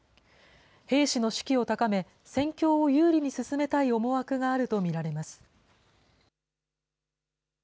兵士の士気を高め、戦況を有利に進めたい思惑があると見られます。